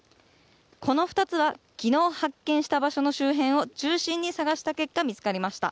この２つは昨日発見した場所の周辺を中心に捜した結果見つかりました。